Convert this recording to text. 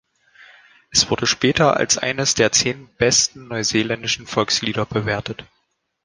Es wurde später als eines der zehn besten neuseeländischen Volkslieder bewertet.